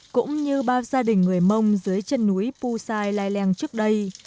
cũng như bao gia đình người mông dưới chân núi pusai lai len trước đây